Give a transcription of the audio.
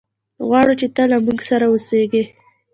غواړو چې ته له موږ سره اوسېږي.